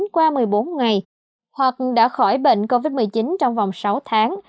qua một mươi bốn ngày hoặc đã khỏi bệnh covid một mươi chín trong vòng sáu tháng